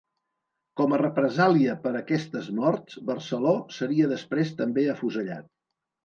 Com a represàlia per aquestes morts, Barceló seria després també afusellat.